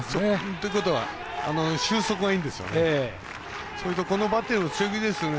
ということは終速がいいんですよね。